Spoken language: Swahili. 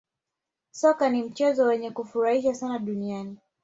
Soka ni mchezo wenye kufurahisha sana dunia